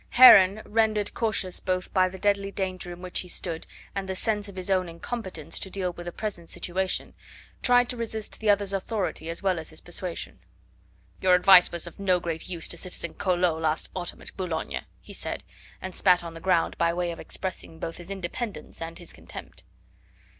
Heron, rendered cautious both by the deadly danger in which he stood and the sense of his own incompetence to deal with the present situation, tried to resist the other's authority as well as his persuasion. "Your advice was not of great use to citizen Collot last autumn at Boulogne," he said, and spat on the ground by way of expressing both his independence and his contempt.